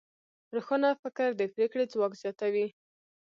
روښانه فکر د پرېکړې ځواک زیاتوي.